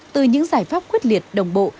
từ những giải pháp quyết liệt đồng bộ